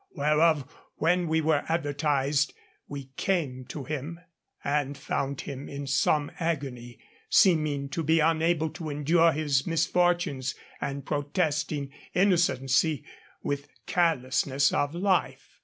Whereof when we were advertised, we came to him, and found him in some agony, seeming to be unable to endure his misfortunes, and protesting innocency, with carelessness of life.